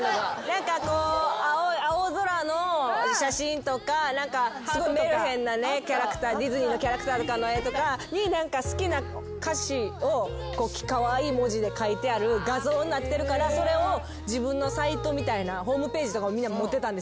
青空の写真とかメルヘンなキャラクターディズニーのキャラクターの絵とかに好きな歌詞をカワイイ文字で書いてある画像になってるからそれを自分のサイトみたいなホームページとかみんな持ってたんですよ